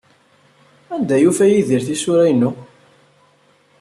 Anda ay yufa Yidir tisura-inu?